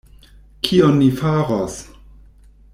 Kion ni faros?!